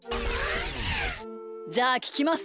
じゃあききます。